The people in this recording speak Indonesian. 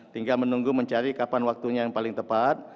tinggal menunggu mencari kapan waktunya yang paling tepat